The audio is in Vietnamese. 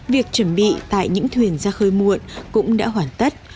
việc chuẩn bị tại những thuyền ra khơi muộn cũng đã hoàn tất